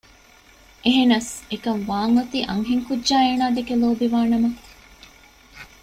އެހެނަސް އެކަންވާން އޮތީ އަންހެން ކުއްޖާ އޭނާދެކެ ލޯބިވާ ނަމަ